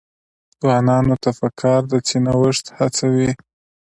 ځوانانو ته پکار ده چې، نوښت هڅوي.